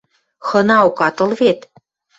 Хынаок ат ыл вет.